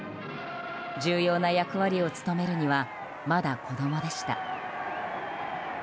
重要な役割を務めるにはまだ子供でした。